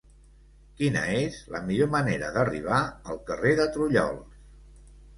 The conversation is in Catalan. Quina és la millor manera d'arribar al carrer de Trullols?